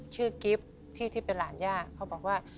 กิฟต์ที่เป็นหลานย่าเขาบอกว่า